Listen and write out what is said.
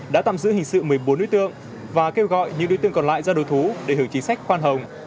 công an huyện vân đồn đã tạm giữ hình sự một mươi bốn đối tượng và kêu gọi những đối tượng còn lại ra đối thú để hưởng chính sách khoan hồng